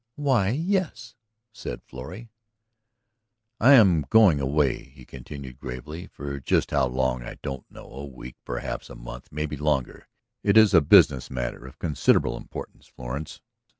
"Why, yes," said Florrie. "I am going away," he continued gravely. "For just how long I don't know. A week, perhaps a month, maybe longer. It is a business matter of considerable importance, Florence.